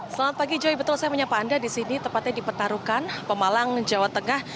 selamat pagi joy betul saya menyapa anda di sini tepatnya di petarukan pemalang jawa tengah